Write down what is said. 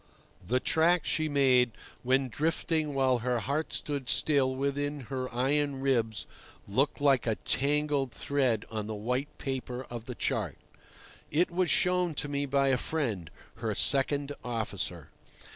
The track she had made when drifting while her heart stood still within her iron ribs looked like a tangled thread on the white paper of the chart. It was shown to me by a friend, her second officer.